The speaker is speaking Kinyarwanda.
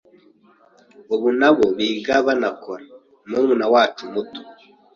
ubu na bo biga banakora, murumuna wacu muto